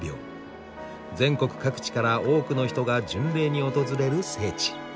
全国各地から多くの人が巡礼に訪れる聖地。